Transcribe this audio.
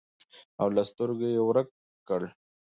او له سترګو یې ورک کړ.